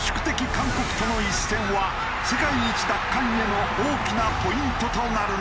韓国との一戦は世界一奪還への大きなポイントとなるのか？